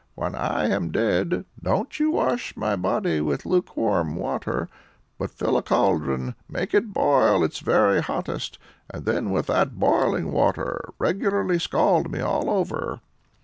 when I'm dead, don't you wash my body with lukewarm water; but fill a cauldron, make it boil its very hottest, and then with that boiling water regularly scald me all over."